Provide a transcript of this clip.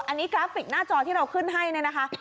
อันนี้กราฟิกหน้าจอที่เราขึ้นให้เนี่ยนะคะ